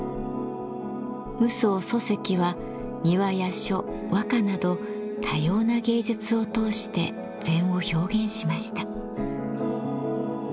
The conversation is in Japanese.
夢窓疎石は庭や書和歌など多様な芸術を通して禅を表現しました。